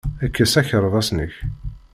Kkes akerbas-nnek.